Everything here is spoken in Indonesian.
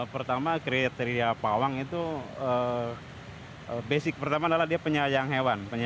pertama kriteria pawang itu basic pertama adalah dia penyayang hewan